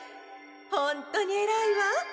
ほんとにえらいわ！